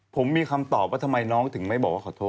ผมมีคำตอบว่าทำไมน้องถึงไม่บอกว่าขอโทษ